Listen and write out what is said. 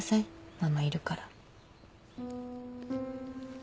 ママいるから。